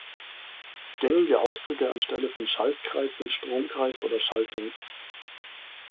Gängige Ausdrücke anstelle von Schaltkreis sind Stromkreis oder Schaltung.